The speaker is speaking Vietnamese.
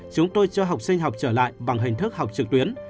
chúng tôi cho học sinh học trở lại bằng hình thức học trực tuyến